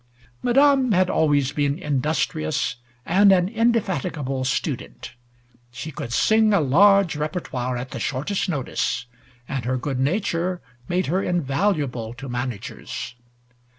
Madame had always been industrious and an indefatigable student. She could sing a large repertoire at the shortest notice, and her good nature made her invaluable to managers.